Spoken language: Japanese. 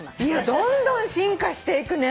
どんどん進化していくね。